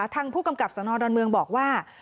ทางผู้กำกับสนดอนเมืองบอกว่า